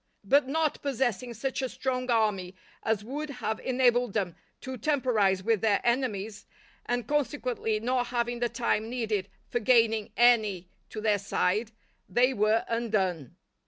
But not possessing such a strong army as would have enabled them to temporize with their enemies, and consequently not having the time needed for gaining any to their side, they were undone.